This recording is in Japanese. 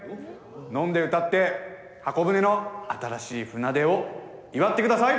飲んで歌って箱舟の新しい船出を祝って下さい！